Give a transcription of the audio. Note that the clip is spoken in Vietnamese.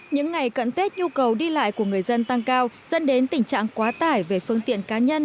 những ngày cận tết nhu cầu đi lại của người dân tăng cao dẫn đến tình trạng quá tải về phương tiện cá nhân